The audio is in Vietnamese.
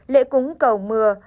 lễ cúng cầu mưa